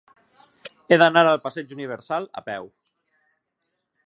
He d'anar al passeig Universal a peu.